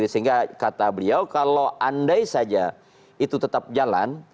sehingga kata beliau kalau andai saja itu tetap jalan